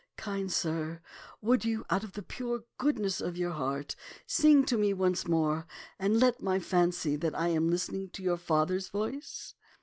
Kind sir, would you out of the pure goodness of your heart sing to me once more, and let me fancy that I am listening to your father's voice?